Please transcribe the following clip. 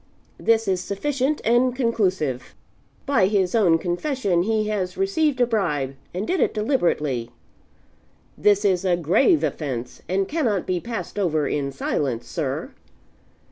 This is sufficient and conclusive. By his own confession he has received a bribe, and did it deliberately. "This is a grave offense, and cannot be passed over in silence, sir.